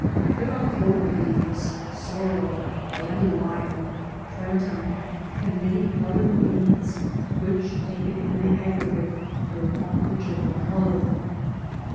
There are clover leaves, sorrel, dandelion, plantain, and many other weeds which, taken in the aggregate, build up the general colour.